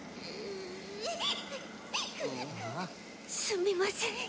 すみません